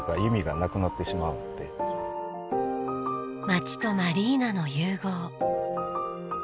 街とマリーナの融合。